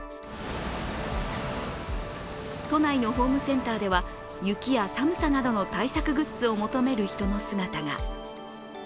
都内のホームセンターでは雪や寒さなどの対策グッズを求める人の姿が。